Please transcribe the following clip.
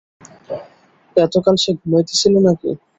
এতকাল সে ঘুমাইতেছিল নাকি?